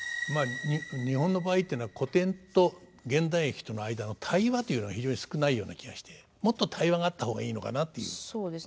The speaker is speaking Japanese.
まあ日本の場合っていうのは古典と現代劇との間の対話というのが非常に少ないような気がしてもっと対話があった方がいいのかなという。